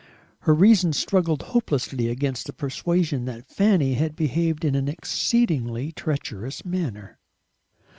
Her reason struggled hopelessly against the persuasion that Fanny had behaved in an exceedingly treacherous manner.